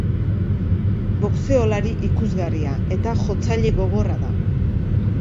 Boxeolari ikusgarria eta jotzaile gogorra da.